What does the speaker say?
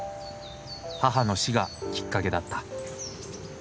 母の死がきっかけだった。